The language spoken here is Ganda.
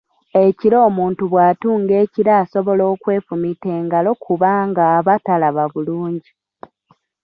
Ekiro omuntu bw'atunga ekiro asobola okwefumita engalo kubanga aba talaba bulungi.